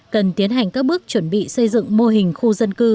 cần tiến hành các bước chuẩn bị xây dựng mô hình khu dân cư